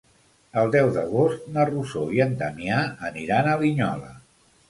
El deu d'agost na Rosó i en Damià aniran a Linyola.